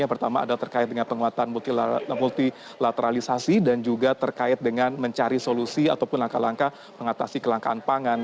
yang pertama adalah terkait dengan penguatan multilateralisasi dan juga terkait dengan mencari solusi ataupun langkah langkah mengatasi kelangkaan pangan